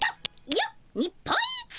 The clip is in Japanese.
よっ日本一！